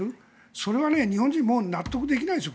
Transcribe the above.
それは日本人も納得できないですよ。